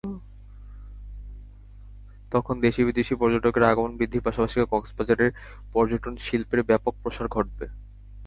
তখন দেশি-বিদেশি পর্যটকের আগমন বৃদ্ধির পাশাপাশি কক্সবাজারের পর্যটনশিল্পের ব্যাপক প্রসার ঘটবে।